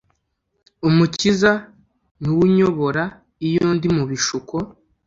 Umukiza niw’ unyobor’ iyo ndi mu bishuko,